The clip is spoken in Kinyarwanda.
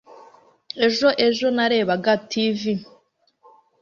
ejo ejo narebaga tv